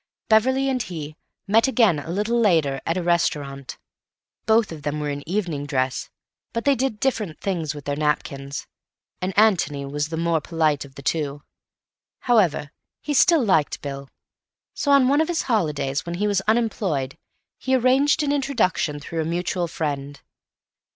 Beverley and he met again a little later at a restaurant. Both of them were in evening dress, but they did different things with their napkins, and Antony was the more polite of the two. However, he still liked Bill. So on one of his holidays, when he was unemployed, he arranged an introduction through a mutual friend.